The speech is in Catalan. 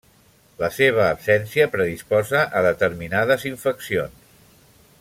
La seva absència predisposa a determinades infeccions.